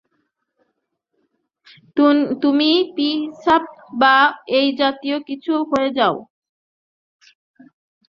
তুমি পিশাচ বা এই জাতীয় কিছু হয়ে যাও।